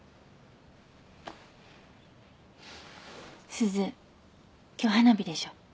すず今日花火でしょ。